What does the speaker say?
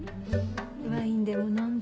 ワインでも飲んで。